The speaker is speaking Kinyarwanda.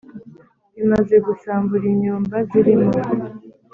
Bimaze gusambura inyumba zirimo